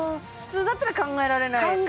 普通だったら考えられない？